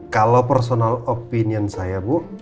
kalau personal opinion saya bu